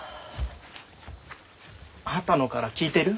波多野から聞いてる？